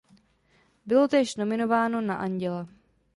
Bylo též nominováno na Anděla.